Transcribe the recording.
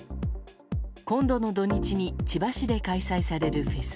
今度の土日に千葉市で開催されるフェス